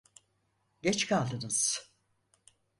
Geç kaldınız!